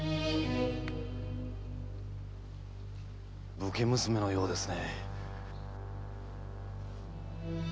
⁉武家娘のようですね。